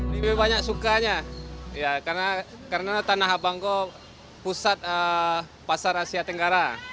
lebih banyak sukanya karena tanah abang pusat pasar asia tenggara